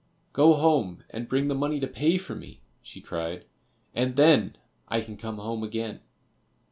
"Go home, and bring the money to pay for me," she cried, "and then I can come home again."